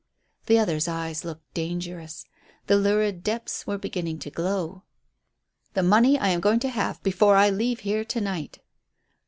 The other's eyes looked dangerous. The lurid depths were beginning to glow. "The money I am going to have before I leave here to night."